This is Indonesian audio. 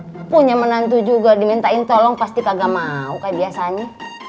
saya punya menantu juga dimintain tolong pasti kagak mau kayak biasanya